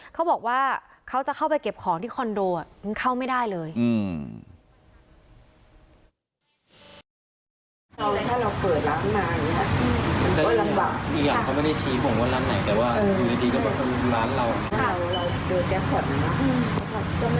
เขาบอกว่าเขาจะเข้าไปเก็บของที่คอนโดมันเข้าไม่ได้เลย